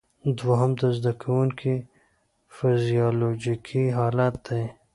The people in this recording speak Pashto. دوهم د زده کوونکي فزیالوجیکي حالت دی.